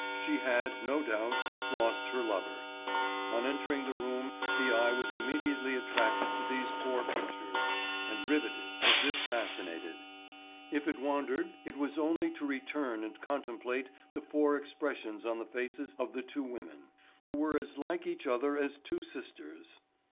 She had, no doubt, lost her lover. On entering the room the eye was immediately attracted to these four pictures, and riveted as if fascinated. If it wandered it was only to return and contemplate the four expressions on the faces of the two women, who were as like each other as two sisters.